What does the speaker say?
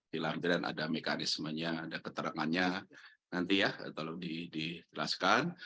di lampiran ada mekanismenya ada keterangannya nanti ya tolong dijelaskan